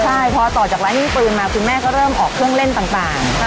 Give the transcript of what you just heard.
ใช่พอต่อจากร้านยิงปืนมาคุณแม่ก็เริ่มออกเครื่องเล่นต่าง